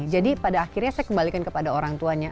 jadi pada akhirnya saya kembalikan kepada orang tuanya